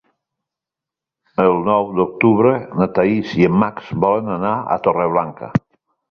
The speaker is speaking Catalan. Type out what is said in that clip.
El nou d'octubre na Thaís i en Max volen anar a Torreblanca.